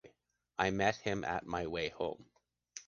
I met him at my way home.